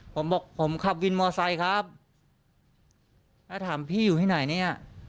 ผมบอกผมขับวินมอไซค์ครับแล้วถามพี่อยู่ที่ไหนเนี่ย